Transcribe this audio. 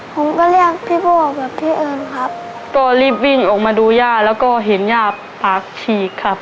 ผมก็เรียกพี่พ่อแบบพี่เอิญครับก็รีบวิ่งออกมาดูย่าแล้วก็เห็นย่าปากฉีกครับ